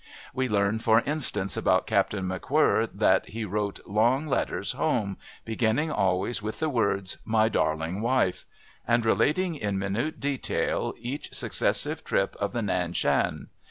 We learn, for instance, about Captain McWhirr that he wrote long letters home, beginning always with the words, "My darling Wife," and relating in minute detail each successive trip of the Nan Shan.